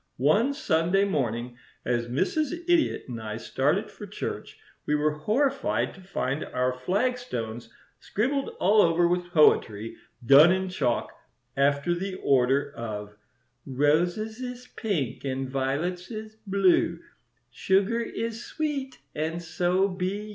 One Sunday morning, as Mrs. Idiot and I started for church, we were horrified to find our flagstones scribbled all over with poetry, done in chalk, after the order of "Roses is pink, and violets is blue, Sugar is sweet, and so be you.